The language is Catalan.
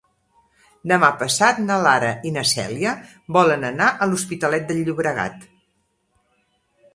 Demà passat na Lara i na Cèlia volen anar a l'Hospitalet de Llobregat.